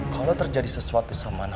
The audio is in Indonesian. kalau terjadi sesuatu sama sintia